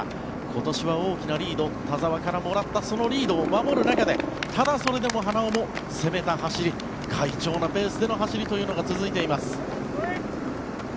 今年は大きなリードを田澤からもらったリードを守る中でただ、それでも花尾も攻めた走り快調なペースでの走りというのが続いています。